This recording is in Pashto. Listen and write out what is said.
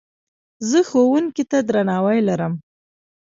زه ښوونکي ته درناوی لرم.